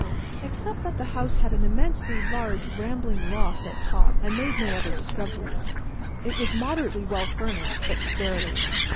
Except that the house had an immensely large rambling loft at top, I made no other discoveries. It was moderately well furnished, but sparely.